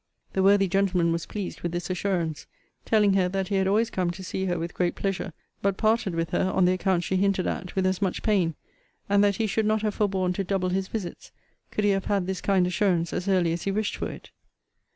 The worthy gentleman was pleased with this assurance, telling her that he had always come to see her with great pleasure, but parted with her, on the account she hinted at, with as much pain; and that he should not have forborne to double his visits, could he have had this kind assurance as early as he wished for it.